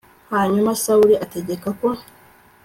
hanyuma sawuli ategeka ko